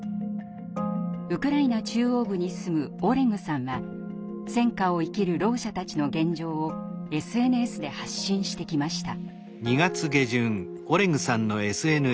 ウクライナ中央部に住むオレグさんは戦禍を生きるろう者たちの現状をＳＮＳで発信してきました。